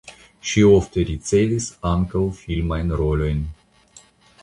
Ŝi ofte ricevis ankaŭ filmajn rolojn.